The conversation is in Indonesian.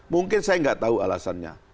mungkin saya nggak tahu alasannya